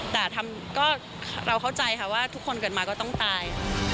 แต่เราเข้าใจค่ะว่าทุกคนเกิดมาก็ต้องตาย